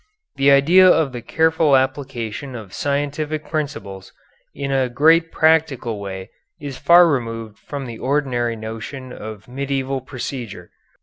The idea of the careful application of scientific principles in a great practical way is far removed from the ordinary notion of medieval procedure.